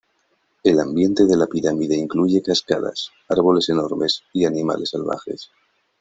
El ambiente de la pirámide incluye cascadas, árboles enormes, y animales salvajes.